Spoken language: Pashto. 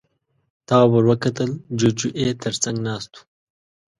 تواب ور وکتل، جُوجُو يې تر څنګ ناست و.